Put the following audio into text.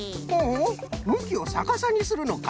むきをさかさにするのか。